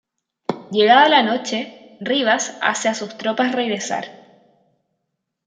Llegada la noche Ribas hace a sus tropas regresar.